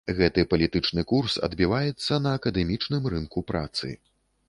Гэты палітычны курс адбіваецца на акадэмічным рынку працы.